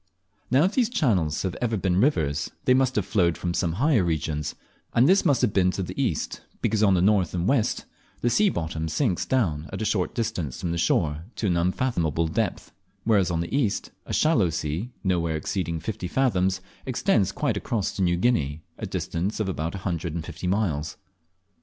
Now if these channels have ever been rivers they must have flowed from some higher regions, and this must have been to the east, because on the north and west the sea bottom sinks down at a short distance from the shore to an unfathomable depth; whereas on the east, a shallow sea, nowhere exceeding fifty fathoms, extends quite across to New Guinea, a distance of about a hundred and fifty miles.